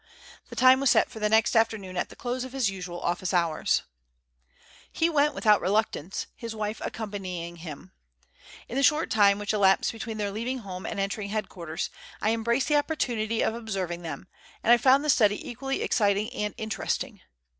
The time was set for the next afternoon at the close of his usual office hours. He went without reluctance, his wife accompanying him. In the short time which elapsed between their leaving home and entering Headquarters, I embraced the opportunity of observing them, and I found the study equally exciting and interesting.